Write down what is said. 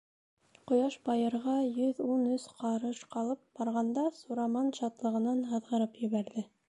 Ҡояш байырға йөҙ ун өс ҡарыш ҡалып барганда Сураман шатлығынан һыҙғырып ебәрҙе.